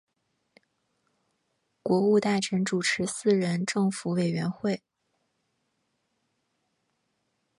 国务大臣主持四人政府委员会。